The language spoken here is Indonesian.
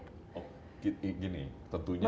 oh gini tentunya kita kan